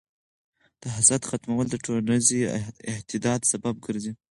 د حسد ختمول د ټولنیز اتحاد سبب ګرځي.